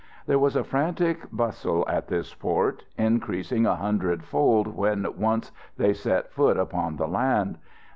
There was a frantic bustle at this port, increasing a hundredfold when once they set foot upon the land.